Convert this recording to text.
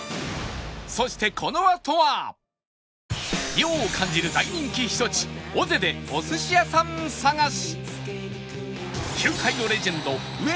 涼を感じる大人気避暑地尾瀬でお寿司屋さん探し